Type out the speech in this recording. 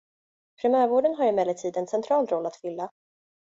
Primärvården har emellertid en central roll att fylla.